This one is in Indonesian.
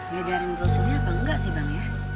medarin brosurnya apa enggak sih bang ya